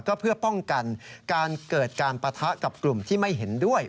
ก็เพื่อป้องกันการเกิดการปะทะกับกลุ่มที่ไม่เห็นด้วย